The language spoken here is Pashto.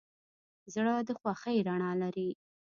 زړه د خوښۍ رڼا لري.